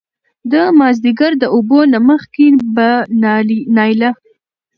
د مازديګر د اوبو نه مخکې به نايله